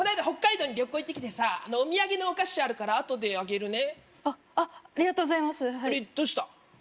北海道に旅行行ってきてさお土産のお菓子あるからあとであげるねあありがとうございますどうした？